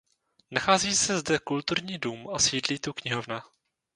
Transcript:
Nachází se zde kulturní dům a sídlí tu knihovna.